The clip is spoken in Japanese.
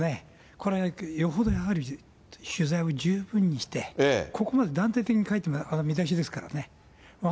これ、よほどやはり取材を十分にして、ここまで断定的に書いている見出しですからね。